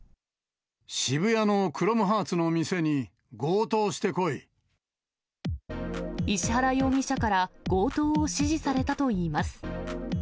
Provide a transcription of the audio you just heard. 渋谷のクロムハーツの店に強石原容疑者から、強盗を指示されたといいます。